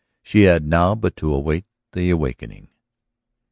She had now but to await the awakening.